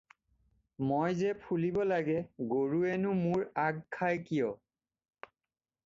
“মই যে ফুলিব লাগে, গৰুৱেনো মোৰ আগ খায় কিয়?”